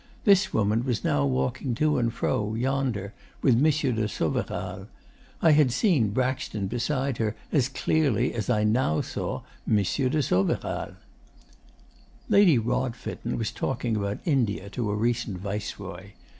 This woman was now walking to and fro, yonder, with M. de Soveral. I had seen Braxton beside her as clearly as I now saw M. de Soveral. 'Lady Rodfitten was talking about India to a recent Viceroy.